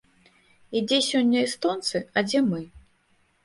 І дзе сёння эстонцы, а дзе мы?